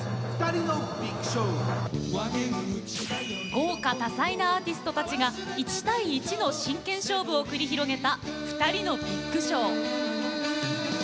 豪華多彩なアーティストたちが１対１の真剣勝負を繰り広げた「ふたりのビッグショー」。